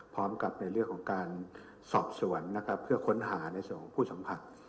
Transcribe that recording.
พร้อมกับในเรื่องของการสอบสวนนะครับเพื่อค้นหาในส่วนของผู้สัมผัส